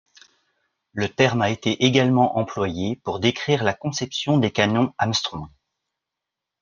Le terme a été également employé pour décrire la conception des canons Armstrong.